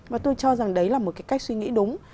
và tôi cho rằng đấy là một cái cách suy nghĩ đúng